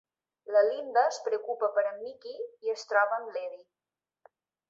La Linda es preocupa per a en Mickey i es troba amb l'Eddie.